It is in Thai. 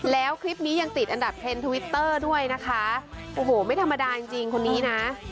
แล้วคลิปนี้ยังติดอันดับเทรนดทวิตเตอร์ด้วยนะคะโอ้โหไม่ธรรมดาจริงจริงคนนี้นะ